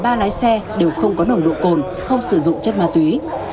cả ba lái xe đều không có nổng độ cồn không sử dụng chất ma túy